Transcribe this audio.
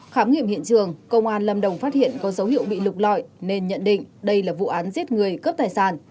khám nghiệm hiện trường công an lâm đồng phát hiện có dấu hiệu bị lục lọi nên nhận định đây là vụ án giết người cướp tài sản